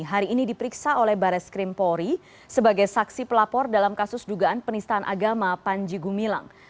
hari ini diperiksa oleh bares krimpori sebagai saksi pelapor dalam kasus dugaan penistaan agama panji gumilang